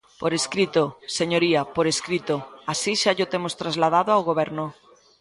Por escrito, señoría, por escrito, así xa llo temos trasladado ao Goberno.